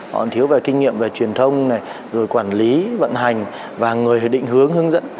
họ thiếu về kinh nghiệm về truyền thông này rồi quản lý vận hành và người định hướng hướng dẫn